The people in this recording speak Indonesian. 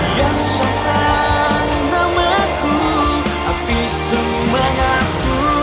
yang seorang namaku api semangatku